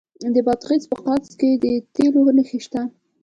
د بادغیس په قادس کې د تیلو نښې شته.